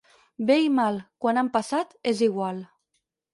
Bé i mal, quan han passat, és igual.